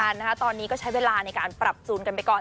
ที่ไม่เข้าใจกันนะฮะตอนนี้ก็ใช้เวลาในการปรับจูนกันไปก่อน